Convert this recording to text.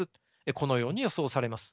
このように予想されます。